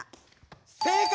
正解！